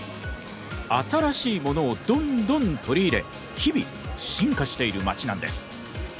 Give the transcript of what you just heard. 新しいものをどんどん取り入れ日々進化している街なんです。